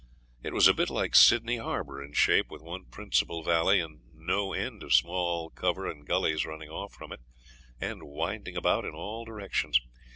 It was a bit like Sydney Harbour in shape, with one principal valley and no end of small cover and gullies running off from it, and winding about in all directions.